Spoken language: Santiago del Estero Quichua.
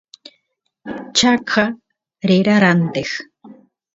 chaqa rera ranteq